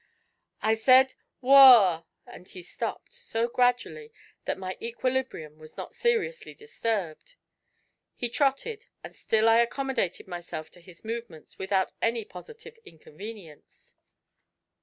I said 'Woa,' and he stopped, so gradually that my equilibrium was not seriously disturbed; he trotted, and still I accommodated myself to his movements without any positive inconvenience.